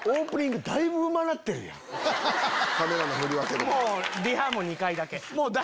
カメラの振り分けとか。